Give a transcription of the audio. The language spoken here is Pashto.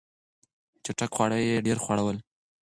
چټک خواړه یې ډېر خوړل.